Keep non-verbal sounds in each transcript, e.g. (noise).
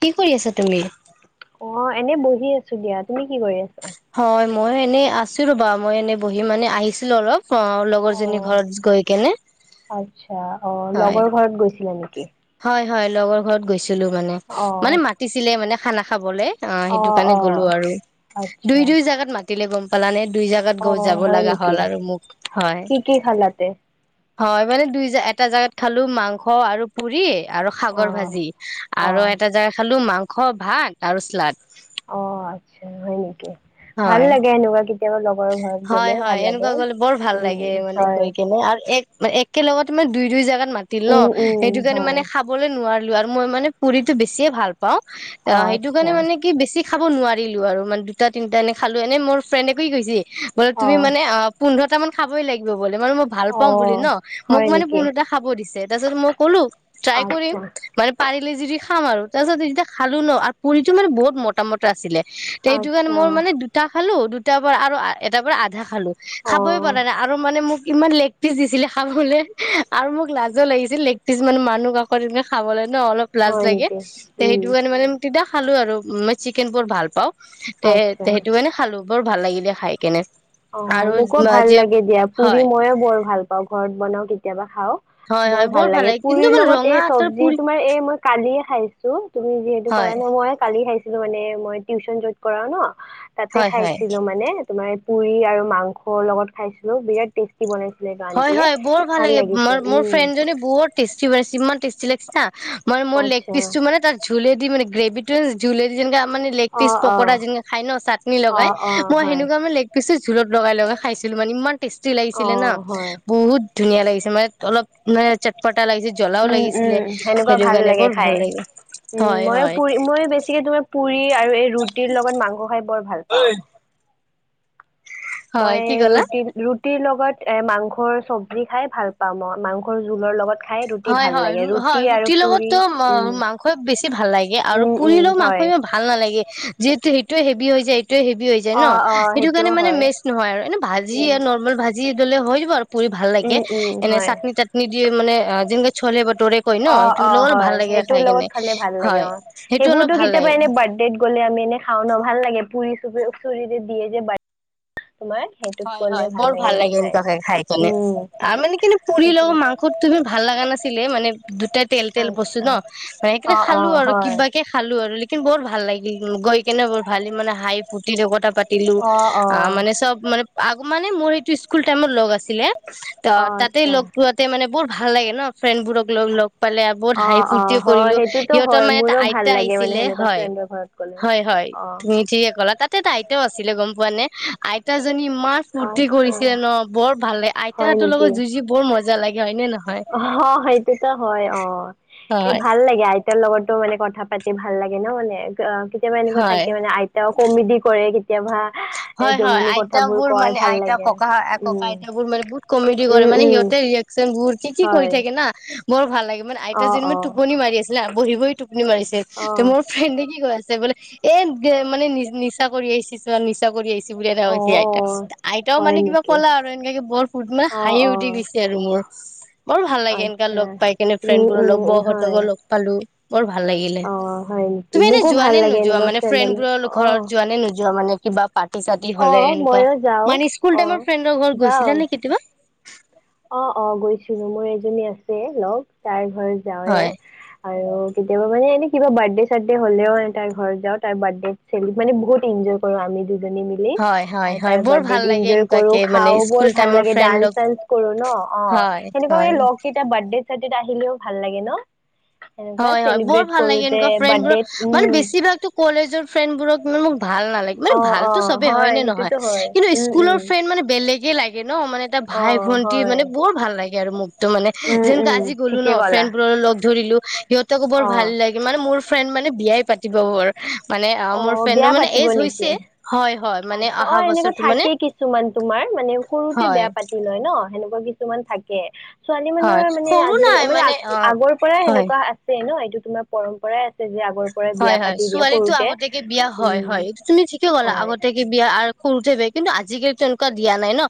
কি কৰি আছা তুমি? অ', এনে বহি আছোঁ দিয়া, তুমি কি কৰি আছা? হয়, মই এনেই আছোঁ ৰ'বা, মই এনে বহি মানে আহিছিলোঁ অলপ। অ', লগৰজনীৰ অ', ঘৰত গৈ কেনে। আচ্ছা, অ' হয় লগৰ ঘৰত গৈছিলা নেকি? হয় হয়, লগৰ ঘৰত গৈছিলোঁ মানে, মানে অ', মাতিছিলে, মানে খানা খাবলে। অ' সেইটো কাৰণে গ'লোঁ আৰু, দুই আচ্ছা দুই জাগাত মাতিলে গম পালোঁনে। দুই জাগাত গৈ অ', যাব হয় লগা হ'ল নেকি? আৰু মোক, হয়। কি কি খালা তে? হয় মানে দুই জা (inaudible) এটা জাগাত খালো মাংস আৰু পুৰি আৰু (inaudible) অ', ভাজি, আৰু অ', এটা জাগাত খালো মাংস। (unintelligible) স ভাত আৰু শ্লাাদ। অ', আচ্ছা, হয় নেকি? ভাল লাগে এনেকুৱা, কি হয়-হয়, এনেকুৱা গ'লে বৰ ভাল উম, লাগে মানে হয়, গৈ কেনে, আৰু এক মানে একেলগতে মানে দুই-দুই জেগাত মাতিল ন, উম, উম, সেইটো কাৰণে হয়, মানে, খাবলৈ নোৱাৰি মই মনে পুৰিটো বেছিয়ে ভাল পাওঁ, অ', সেইটো আচ্ছা কাৰণে মানে কি বেছি খাব নোৱাৰিলোঁ, আৰু মানে দুটা-তিনিটা এনেই খালোঁ, এনেই মোৰ ফ্ৰেণ্ডে কি গৈছি। বোলে, তুমি মানে অ' পোন্ধৰটা মান খাবই লাগিব। (unintelligible) মই ভাল পাওঁ বুলি অ', ন, মোক হয় মানে নেকি? ন খাব দি, তাৰ পিছত মই ক'লোঁ, ট্ৰাই কৰিম। আচ্ছা, মানে পাৰিলে যদি খাম আৰু তাৰ পিছত যেতিয়া খালোঁ ন, আৰু পুৰিটো মানে বহুত মটা মটা আছিলে। এইটো কাৰণে আচ্ছা মই মানে দুটা খালোঁ দুটাৰ পৰা আৰু এটাৰ পৰা আধা খালোঁ। খাবই অ', পৰা নাই আৰু মানে মোক ইমান লেগ পিচ দিছিলে খাবলে আৰু মোক লাজো লাগিছিল, লেগ পিচ মানে মানুহ কাকত এনেকে খাবলে। ন, অলপ লাজ হয় লাগে, নেকি? তে উম, সেইটো কাৰণে, মানে তেতিয়া খালোঁ আৰু, মই চিকেন বৰ ভাল পাওঁ। তে, আচ্ছা সেইটো কাৰণে খালো, বৰ ভাল লাগিলে খাই কেনে। অ', আৰু মোকো ভাল যে লাগে দিয়া, পুৰি হয় মইয়ো বৰ ভাল পাওঁ, ঘৰত বনাওঁ‌, কেতিয়াবা খাওঁ। হয় বৰ হয় ভাল লাগে কিন্তু পুৰিৰ মানে লগত ৰঙা এই আচাৰ চব্জি, পুৰি তোমাৰ এই মই কা কালিয়ে খাইছো তুমি যিহেতু হয় কলা ন, মই কালি খাইছিলো, মানে মই টিউচন যত কৰাওঁ ন। তাতে হয় হয় খাইছিলোঁ মানে, তোমাৰ পুৰি আৰু মাংসৰ লগত খাইছিলোঁ, বিৰাট টেষ্টি বনাইছিলে এইটো হয়, আন্টিয়ে হয়, বৰ ভাল লাগে, ম্‌ লাগিছে মোৰ উম ফ্ৰেণ্ডজনী বহুত টেষ্টি, (unintelligible) ইমান টেষ্টি লাগে। (unintelligible) মাই মোৰ লেগ আচ্ছা পিচটো মানে, তাৰ ঝুলেদি মানে, গ্ৰেভিটো ঝুলেদি যেনেকা মানে লেগ অ পিচ অ পকৰা যেনেকে খাই ন, চাটনি অ লগাই, অ মই হয় সেনেকুৱা মানে লেগ পিছো জোলত লগাই লগাই খাইছোঁ। মানে, ইমান টেষ্টি অ লাগিছিলে ন, হয় বহুত ধুনীয়া লাগিছিল। মানে অলপ মানে চাট পটা লাগিছিল, জ্বলাও উম উম লাগিছিলে, সেনেকুৱা সেইটো ভাল কাৰণে লাগে বৰ ভাল খাই লাগিলে। উম, ময়ো পুৰি মইয়ো বেছিকে তোমাৰ পুৰি আৰু এই ৰুটিৰ লগত মাংস খাই বৰ ভাল পাওঁ। হয় মই কি ক'লা ৰুটি ৰুটিৰ লগত, এ মাংসৰ চব্জি খাই ভাল পাওঁ মই, মাংসৰ জোলৰ লগত খাই ৰুটি ভাল হয়-হয়, লাগে ৰুটি হয়, আৰু ৰুটিৰ পুৰি লগতো উম মাংস বেছি ভাল লাগে আৰু উম উম পুৰিলেও মাংস হয় ভাল নালাগে, যিহেতু সেইটোৱে হেভি হৈ যায়। হেভি হৈ যায় অ ন, অ সেইটো কাৰণে সেইটোও মানে হয় মেটচ নহয়, আৰু এনে ভাজি উম আৰু নৰ্মেল ভাজি ল'লে হৈ যাব আৰু। পুৰি ভাল লাগে, উম উম এনে হয় চাটনি-তাটনি দি, মানে যেনেকে চোলে অ', অ' হয়, সেইটোৰ লগত খালে ভাল লাগে হয় অ', সেইটো অলপ সেইবোৰতো ভাল লাগে কেতিয়াবা এনে বাৰ্থডেত গ'লে আমি এনে খাওঁ ন, ভাল লাগে, পুৰি চুৰি চুৰিৰে দিয়ে যে বাৰ্থডেত হয়-হয়, বৰ ভাল লাগে এনেকুৱাকে খাই কিনে, উম মানে, কিন্তু পুৰি লগত সেইটো মাংসত তুমি ভাল লগা নাছিলে মানে, দুইটা তেল-তেল বস্তু আচ্ছা ন, মানে, সেইকাৰণে অ', খালোঁ অ', আৰু, হয় কিবা কে খালোঁ আৰু। কিন্তু বহুত ভাল লাগিল গৈ। কেনে বৰ ভাল মানে হাঁহি ফূৰ্তিৰে কথা পাতিলোঁ, অ', অ', আহ অ', মানে চব মানে (unintelligible) মানে মোৰ সেইটো স্কুল টাইমৰ লগ আছিলে, ত' তাতে আচ্ছা। লগ লোৱাতে মানে বৰ ভাল লাগে ন ফ্ৰেণ্ড বোৰক লগ-লগ। পালে আৰু বহুত অ', হাঁহি-ফূৰ্তি অ', হয় কৰিলো সেইটোতো সিহঁতৰ হয় মানে এটা মোৰো ভাল আইতা লাগে মানে আহিছিলে সেনেকুৱা ফ্ৰেণ্ডৰ ঘৰত গ'লে। হয়-হয়-হয়। হয়, অ', তুমি ঠিকে ক'লা তাতেটো আইতাও আছিলে গম পোৱা নে, আইতাজনী ইমান ফূুৰ্তি আচ্ছা কৰিছিলে ন' বৰ ভাল হয় আইতাহঁতৰ নেকি লগত যুঁজি বৰ মজা লাগে হয় নে ন অ' সেইটোতো হয় অ' এই হয় ভাল লাগে আই তেওঁৰ লগতো মানে কথা পাতি ভাল লাগে ন' মানে অ', কেতিয়াবা এনেকুৱা হয় থাকে মানে আইতাও কমেডি কৰে কেতিয়াবা। এ হয়, হয়, জমনি কথাবোৰ আইতাবোৰ কয় মানে ভাল আইতা লাগে। ককাহৰ ককা উম, আইতাবোৰ মানে বহুত কমেডি কৰে উম, মানে উম, সিহঁতে (unintelligible) (unintelligible) কি কি কৰি হয় থাকে না বৰ ভাল লাগে মানে আইতা অ', জনী অ', টোপনি মাৰি আছিলে বহি বহি টোপ টোপনি মাৰিছে ত' অ', মোৰ ফ্ৰেণ্ডে কি কৈ আছে বোলে, এ মানে নি-নিচা কৰি আহিছে। (unintelligible) নিচা কৰি আহিছ। অ', অ'। (unintelligible) আইতাও হয় মানে কিবা নেকি? ক'লা আৰু এনেকাকে বৰ ফুৰ্ত লৈ মানে অ', হাঁহি উঠি অ', গেইছি আৰু মোৰ। বৰ ভাল লাগে এনেকা আচ্ছা। লগ পাই কিনে উম, ফ্ৰেণ্ডবোৰৰ উম, লগ উম, হয়। বউহতকো লগ পালোঁ। বৰ ভাল লাগিলে, অ', হয় নেকি? তুমি এনে মোকো যোৱা ভাল নে লাগে নোযোৱা এনেকুৱা মানে ফ্ৰেণ্ডৰ লগত। ফ্ৰেণ্ডবোৰৰ ঘৰত অ', যোৱা নে নোযোৱা মানে? কিবা পাৰ্টি সাৰ্থি হ'লে অ', এনেকুৱা, ময়ো যাওঁ। মানে স্কুল অ'। টাইমৰ ফ্ৰেণ্ডৰ ঘৰত যাওঁ। গৈছিলা নে কেতিয়াবা? অ', অ, গৈছিলোঁ মোৰ এজনী আছে লগ, তাৰ ঘৰত যাওঁৱে। হয় আৰু কেতিয়াবা মানে এনে কিবা বাৰ্থডে চাৰ্থডে হলেও তাৰ ঘৰত যাওঁ তাৰ বাৰ্থডে (unintelligible) মানে বহুদিন যিসকল আমি (unintelligible) মিলি মিলি, হয় হয় আৰু হয় তাৰ বৰ ভাল বাৰ্থডেত লাগে এনজয় কৰো এনেকুৱাকে মানে খাওঁ স্কুল বৰ ভাল টাইমৰ লাগে ফ্ৰেণ্ড লগ ডান্স চানস শুনো ন' অ, হয় সেনেকুৱা হয় আমি লগকেইটা বাৰ্থডে-চাৰ্টডেত আহিলেও ভাল লাগে ন'? সেনেকুৱা হয়, হয়, বৰ চেলিব্ৰেট ভাল লাগে, কৰোতে এনেকুৱা বাৰ্থডেত ফ্ৰেণ্ডবোৰক মানে উম বেছিভাগতো কলেজৰ ফ্ৰেণ্ডবোৰক মোক ভাল নালাগে, অ মানে অ ভালতো চবে হয় হয়নে নহয়? সেইটোতো হয় কিন্তু উম উম ইস্কুলৰ ফ্ৰেণ্ড মানে বেলেগে লাগ ন' মানে এটা অ ভাই ভন্টি হয় মানে বৰ ভাল লাগে, আৰু মোকতো মানে উম যেনেকা উম আজি গ'লো ঠিকে ন' ক'লা ফ্ৰেণ্ডবোৰৰ লগ ধৰিলোঁ সিহঁতকো বৰ অ ভাল লাগে, মানে মোৰ ফ্ৰেণ্ড মানে বিয়াই পাতিবৰ হ'ল। মানে অ', মোৰ বিয়া ফ্ৰেডৰ মানে, পাতিব এজ হৈছে নেকি হয়, হয়, মানে আচ্ছা অ অহা এনেকুৱা বছৰটো মানে থাকে কিছুমান তোমাৰ মানে সৰুতে হয় বেয়া পাতি লয় ন' সেনেকুৱা কিছুমান থাকে। ছোৱালী হয় মানুহৰ মানে সৰু আজিকালি নাই মানে আ অ আগৰ পৰাই হয় সেনেকুৱা আছে ন, এইটো তোমাৰ পৰম্পৰাই আছে। যে, আগৰ পৰাই বিয়া হয় হয় পাতি দিয়ে ছোৱালীতো সৰুতে। আগতীয়াকে বিয়া হয়, উম হয়, এইটো তুমি ঠিকে ক'লা, হয় আগতিয়াকৈ বিয়া আৰু সৰুতে বে, কিন্তু আজিকালি তেনেকুৱা দিয়া নাই ন।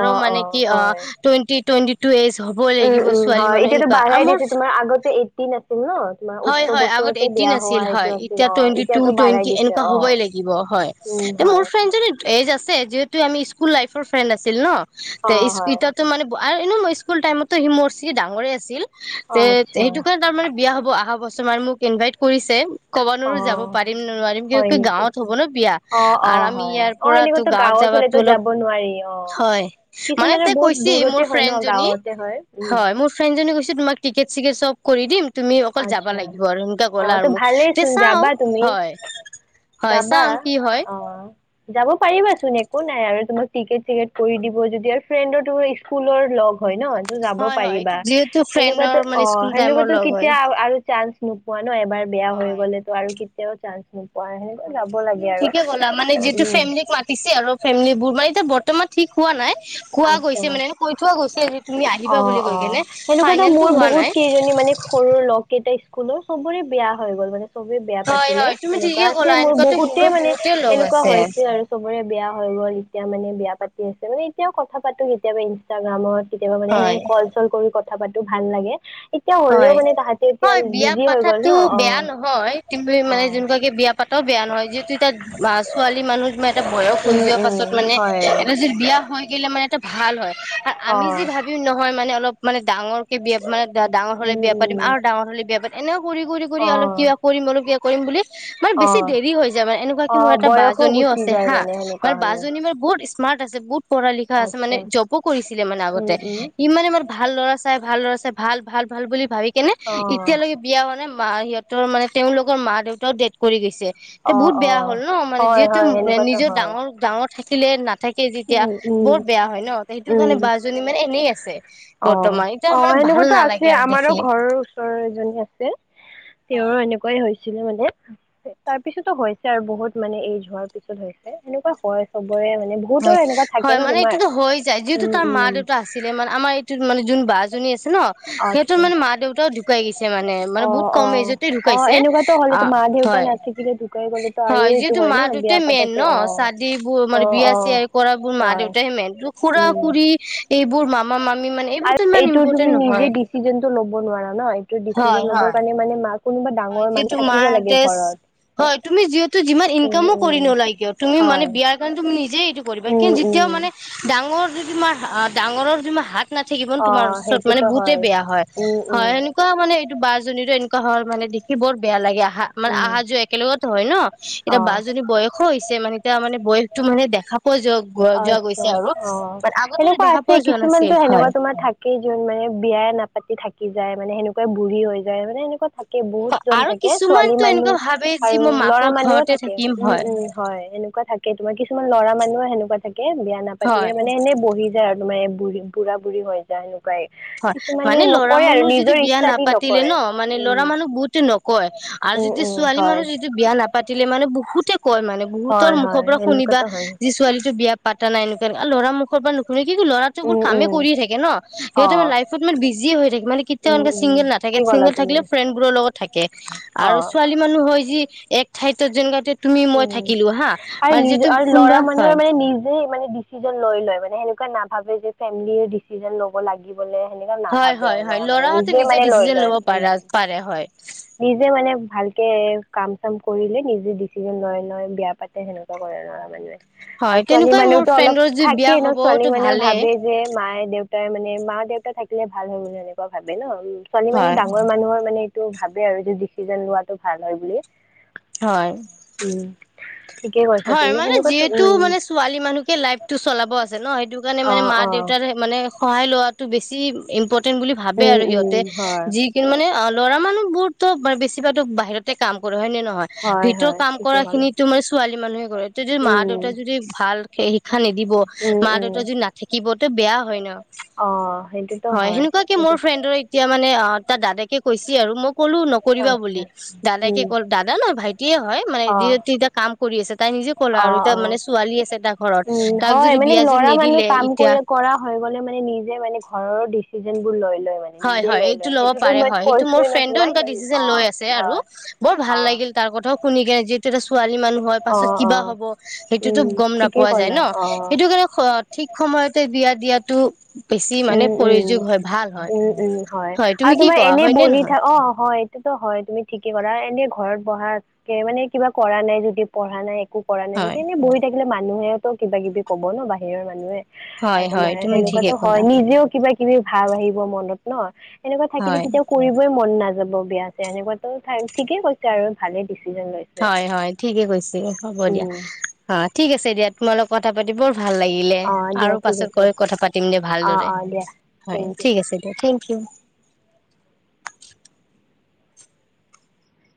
অ অ মানে কি আ, হয় টুৱেন্টি, টুৱেন্টি টু এজ হ'বই উম লাগিব উম ছোৱালী হয় মানুহ এতিয়াতো এনেকুৱা, আৰু বাঢ়াই মোৰ দিছে তোমাৰ আগতে এইটিন আছিল ন তোমাৰ হয়, ওঠৰ হয়, আগত বছৰতে এট টিন বিয়া হোৱা আছিল এইটো হয়, আছিল এতিয়া অ টুৱেন্টি টু, এতিয়াতো বাঢ়াই টুৱেন্টি দিছে এনেকা অ হ'বই লাগিব হয়, উম এ, মোৰ হয় ফ্ৰেণ্ডজনী এ এইজ আছে যিহেতু আমি স্কুল লাইফৰ- ফ্ৰেণ্ড আছিল ন' অ হয় ইতিটো মানে এনেও স্কুল টাইমতো সি মোৰ চাই ডাঙৰে আছিল। অ যে, আচ্ছা সেইটো কাৰণতে তাৰ মানে বিয়া হ'ব আহা বছৰ মানে মোক ইনভাইট কৰিছ চে, ক'ব অ নোৱাৰো যাব পাৰিম নে নোৱাৰিম, কিয় হয় কি নেকি গাঁৱত হ'ব ন' বিয়া, অ অ আৰু আমি হয় ইয়াৰ অ পৰাটো এনেকুৱাতো গাঁৱত হলেতো যাবতো অলপ যাব নোৱাৰি অ হয়, মানে কিছুমানে তাই বহুত কৈছিল দূৰতে মোৰ হয় ন ফ্ৰেণ্ডজনী গাঁৱতে হয় উম হয়, মোৰ ফ্ৰেণ্ডজনী কৈছে তোমাক টিকেট, চিকেট চব কৰি দিম, তুমি অকল যাব আচ্ছা লাগিব, আৰু এংকা অ', ত' ভালেই চোন যাবা তুমি, হয় যাবা চাম কি হয় অ'। যাব পাৰিবাচোন একো নাই, আৰু তোমাক টিকেট, চিকেট কৰি দিব যদি আৰু ফ্ৰেণ্ডৰ তোমাৰ ইস্কুলৰ লগ হয়, ন? ত' যাব হয় হয় এইটো পাৰিবা যিহেতু ফ্ৰেণ্ডৰ সেনেকুৱাতো মানে অ', স্কুল টাইমৰ সেনেকুৱাতো লগ হয় এতিয়া আৰু চাঞ্চ নোপোৱা ন এবাৰ বেয়া হৈ হয় গ'লেতো আৰু কেতিয়াও চান্স নো ঠিকে ক'লা মানে যিটো উম ফেমলিক মাতিছে, আৰু ফেমলিবোৰ মানে এতিয়া বৰ তোমাৰ ঠিক হোৱা নাই। কোৱা গৈছে আচ্ছা মানে কৈ থোৱা গৈছে যে, তুমি অ আহিবা বুলি অ কৈ কিনে সেনেকুৱাতো মোৰ ফাইনেলটো হোৱা বহুত কেইজনী নাই। মানে সৰুৰ লগ কেইটা স্কুলৰ সবোৰে বেয়া হৈ গ'ল মানে চবে বিয়া হয় পাতিলে, হয় তুমি তেনেকুৱা ঠিকে আছে ক'লা মোৰ এনেকুৱাতো বহুতে মোৰো মানে বহুতে লগ এনেকুৱা আছে হৈছে আৰু চবৰে বেয়া হৈ ৰ', এতিয়া মানে বিয়া তাকে তুমি এতিয়াও কথা পাতো কেতিয়াবা ইনষ্টাগ্ৰামত কেতিয়াবা মানে হয় স কল চল কৰি। কথা পাতো ভাল লাগে। এতিয়া হ'লেও হয় মানে তাহাঁতে এতিয়া হয়, বিয়া বিজি হৈ গ'ল ন পাতাটো অ বেয়া নহয়, কিন্তু এই অ মানে যেনবিলাকে বিয়া পাতও বেয়া নহয় যিহেতু এতিয়া ছোৱালী মানুহ এটা বয়স হৈ উম যোৱাৰ পাছত উম মানে হয় এটা যি বিয়া হৈ গলে মানে এটা ভাল হয় আৰু অ আমি যি ভাবি নহয় মানেলপ মানে ডাঙৰক বিয়া মানে ডাঙৰ হলে উম বিয়া পাতিম উম আৰু ডাঙৰ হলে বিয়া পাতি এনেও কৰি কৰি কৰি অ অলপ কিবা কৰিম অলপ কিবা কৰিম বুলি। মানে অ বেছি দেৰি হৈ যায় মানে এনেকুৱা কি অ মোৰ এটা বা বয়সো এজনীও গুচি আছে যায় হা। মানে সেনেকুৱা (unintelligible) হ'লে বাজনী মোৰ বহুত স্মাৰ্ট আছে বহুত। পঢ়া লিখা আছে মানে আচ্ছা জবো কৰিছিলে মানে আগতে। উম উম। ইমানে মানে ভাল ল'ৰা চাই ভাল ল'ৰা চাই ভাল ভাল ভাল বুলি ভাবি কেনে অ', এতিয়ালৈকে বিয়া হোৱা নাই। মা সিহঁতৰ মানে তেওঁওলোকৰ মা-দেউতাও ডেথ কৰি গৈছে। তে অ', বহুত বেয়া অ', হ'ল ন মানে হয় যিহেতু হয় এ সেনেকুৱাতো নিজৰ হয়। ডাঙৰ- ডাঙৰ থাকিলে নাথাকে যেতিয়া উম উম। বহত বেয়া হয় ন সেইটো কাৰণে উম, বা জনী মানে এনেই আছে। অ' বৰ্তমান এতিয়া অ' মানে ভাল সেনেকুৱাতো আছ নালাগে আৰু আমাৰো দেখি ঘৰৰ ওচৰৰ এজনী আছে, হয় তেওঁৰ এনেকুৱাই। মানে তাৰ পিছতো হৈছে আৰু বহুত মানে এইজ হোৱাৰ পিছত হৈছে এনেকুৱা হয় চ হয় হয়, মানে এইটোতো হৈ যায় যিহেতু উম তাৰ উম। মা-দেউতা আছিলে, মানে আমাৰ যোন মানে যোন বা জনী আছ ন সেইহটোত আচ্ছা, মানে মা দেউতাও ঢুকাই গৈছে মানে মানে বহুত অ', কম অ'। এজতে অ', ঢুকাইছে এনেকুৱাতো অ, হ'লেতো মা দেউতা হয় (unintelligible) আৰু হয় এইটো যিহেতু ন মা বিয়া দেউতাই মেইন পাতাতো ন অ'। চাদীবোৰ মানে অ', বিয়া অ', চয়া কৰা বোৰ মা হয়, দেউতাইহে খুৰা উম। খুুৰী এইবোৰ মামা মা আৰু এইটো তুমি নিজে ডিচিজনটো ল'ব নোৱাৰা ন এইটো হয় ডিচিজন ল'ব হয় কাৰণে মানে মা কোনোবা হয় ডাঙৰ মানুহ যিহেতু থাকিব লাগে মাহঁতে ঘৰত। হয় তুমি যিহেতু যিমান উম ইনকামো কৰি উম। নলাগেিয় তুমি মানে হয় বিয়াৰ কাৰণে তুমি নিজে এইটো কৰিবা উম কিন্তু উম যেতিয়া মানে ডাঙৰ যি ডাঙৰৰ য হাত নাথাকিব নো অ তোমাৰ ওচৰত মানে সেইটোতো বহুতেই বেয়া হয় উম উম সেনেকুৱা মানে এইটো বাৰ জনী এনোকা হল মানে দেখি বৰ বেয়া লাগে। উম অহা যোৱা একেলগত হয় ন এতিয়া অ। বা জনী বয়সো হৈছে মানে এতিয়া মানে বয়সটো মানে দেখা পোৱা যোৱা যোৱা গৈছে আতছা আৰু অ আগতেতো এনেকুৱা দেখা আছে পোৱা যোৱা কিছুমানতো নাছিল হয়। সেনেকুৱা তোমাৰ থাকেই যোন মানে বিয়াই নাপাতি থাকি যায় মানে সেনেকুৱাই বুঢ়ি হৈ যায় মানে সনেকুৱা থাক বহুতজন আৰু থাকে ছোৱালী কিছুমানতো মানুহ এনেকুৱা ভাবে যি আৰু মই ল'ৰা মাকৰ মানুহ ঘৰতে থাকে থাকিম উম হয় উম হয় এনেক থাকে তোৰ কিছুমান ল'ৰা মানুহ সেনেকুৱা থাকে বিয়া নাপাতি কিনে হয়। মানে এনে বহি যায় আৰু তাৰ বুঢ় বুঢ়া বুঢ়ী হৈ যায়েনো। হয় মানে লৰা মানুহ যদি নিজৰ বিয়া ইচ্ছা দি নাপাতিলে নকৰে ন মানে লৰা উম মানুহ বহুতে নকয়। আৰু উম যদি উম ছোৱালী হয় মানুহ যিটো বিয়া নাপাতিলে মানে বহুতে কয় মানে বহুতৰ হয় মুখৰ হয় পৰা শুনিবা এনেকুৱাতো হয় যি ছোৱালীতো বিয়া পাতা নাই এনেকুৱা এ ল'ৰা মুখৰ পৰা মানে কি ল'ৰাটো বোৰ উম কামে উম কৰিয় থাকে ন অ সিহঁতে ম লাইফত ইমান বিজিয়ে হৈ থাকে। মানে কেতিয়াও এনেকে চিংগল নাথাকে ঠিকে ক'লা চিংগল তুমি থাকিলে ফ্ৰেণ্ড বোৰৰ লগত থাকে আৰু অ', ছোৱালী মানুহ হয় যি এক ঠাইতো যোন গতি উম আৰু নিজ আৰু ল'ৰা কোনোবা হয় মানুহৰ মানে নিজে মানে ডিচিজন লৈ লয় মানে সেনেকুৱা না ভাবে যে ফেমিলি ডিচিজন ল'ব লাগি বোলে সেনেকুৱা হয় নাভাবে হয় আৰু হয় লৰা মানে ল'ৰাহতে নিজে মানে লৈ ডিচিজন লয় ল'ব উ। পাৰা পাৰে হয় কাম কৰিলে নিজে ডিচিজন লয় নয় বেয়া পাতে সেনেুৱা কৰে নৰা মানুহে। হয় আৰু ছোৱালী তেনেকুৱাই মোৰ মানুহওতো অলপ ফ্ৰেণ্ডৰ যদি বিয়া থাকে ন হ'বতো ছোৱালী মানুহে ভালেই। ভাবে যে মায়ে দেউতাৰ মানে মা দেউতা থাকিলে ভাল হয় বুলি এনেকুৱা ভাবে ন ছোৱালী মানে ডাঙৰ মানুহৰ মানে টো ভাবে আৰু যে ডিচিছন লোৱাটো ভাল হয় বুলি। হয়। উম। ঠিকে কৈছা হয়, তুমি মানে সেনেকুৱাতো যিহেতু উম মানে ছোৱালী মানুহকে লাইফটো চলাব আছে ন সেইটো মানে অ মানে মা অ দেউতাৰ মানে সহায় লোৱাটো বেছি ইম্প বুলি ভাবে উম আৰু সিহতে উম হয় যি কিন্তু মানে অ ল'ৰা মানুহ বহুত তো বেছি ভাগ বাহিৰতে কাম কৰো হয় নে নহয় হয় ভিতৰৰ হয় কাম ঠিকে কৰা ক'লা খিনিতো মই ছোৱালী মানুহে কৰে যদি মা উম দেউতা যদি ভাল শিক্ষা নিদিব উম মা উম দেউতা যদি নাথাকিব। বেয়া হয় ন অ সেইটোতো হয় সেনেকুৱ কে সেইটো মোৰ ফ্ৰেণ্ডৰ এতিয়া মানে অ তাৰ দাদেকে কৈছে আৰু মই ক'লো নকৰিবা আচ্ছা বুলি উম দাদোকে কল দাদা অ মোৰ ভাইটিয়ে হয় মানে অ যি তিটা (unintelligible) কাম কৰি আছে। তাই নিজে ক'ল অ আৰু এতিয়া অ মানে ছোৱালী আছে এটা ঘৰত উম তাক হয় যদি বিয়া যদি ল'ৰা মানুহ নিদিলে কাম এতিয়া কৰি কৰা হৈ মানে মানে নিজে মানে (unintelligible) নিজে হয়-হয় লৈ এইটো লয় ল'ব সেইটোতো পাৰে মই হয় এইটো মোৰ কৈছোয়ে ন ফ্ৰেণ্ডে তোমাক এনেকুৱা ডিচিশন অ লৈ আছে আৰু হয় বৰ অ ভাল লাগিল। তাৰ কথাও শুনি গে যি এটা ছোৱালী মানুহ হয়। অ পাছত অ কিবা হব উম সেইটোতো গম ঠিকেই নাপোৱা যায় ক'লা ন অ সেইটো কাৰণে ঠিক ঠিক সময়তে বিয়া দিয়াতটো বেছি উম মানে উম প্ৰয়োযোগ হয় ভাল হয়। উম উম হয় তুমি আৰু কি তোমাৰ কোৱা এনেই হয় নে বহি নহয় থাক অ হয় এইটোতো হয় তুমি ঠিকে কলা এনে ঘৰত বঢ়া মানে কিবা কৰা নাই যদি পঢ়া নাই একো কৰা নাই হয় যদি এনেই বহি থাকিলে ম মানুহেও কিবা কিবি কব ন বাহিৰৰ মানুহে হয় আৰু হয় তোমাৰ তুমি ঠিকে সেনেকুৱাতো ক'লা হয়। নিজেও কিবা কিবি ভাব আহিব মনত ন? এনেকুৱা থাকিলে হয় কেতিয়াও কৰিবই মন নায (unintelligible) বিয়া আছে এনেকুৱো ঠিকে কৈছে আৰু ভালেই দিছে হয়-হয় ঠিকে কৈছে হ'ব দিয়া অ ঠিক আছে দিয়া তোমাৰ লগত কথা পাতি বৰ ভাল লাগিলে অঁ দিয়া আৰু ঠিক পাছত আছে গৈ কথা পাতিম দে অঁ ভালদৰে অঁ দিয়া হয় থেংক ইউ ঠিক আছে দে। Thank U (unintelligible)